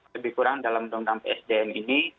lebih kurang dalam undang undang psdm ini